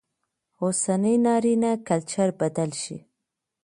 اوسنى نارينه کلچر بدل شي